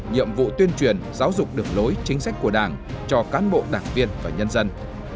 nhiệm vụ tuyên truyền giáo dục đường lối chính sách của đảng cho cán bộ đảng viên và nhân dân